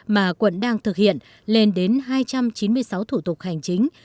mà quận đang thực hiện lên đến hai trăm chín mươi sáu thủ tục hành chính